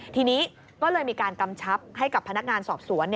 ทีนี้ก็เลยมีการกำชับให้กับพนักงานสอบสวน